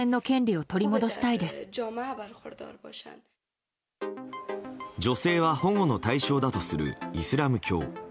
もともと女性は保護の対象とするイスラム教。